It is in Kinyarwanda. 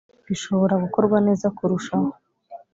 bishobora gukorwa neza kurushaho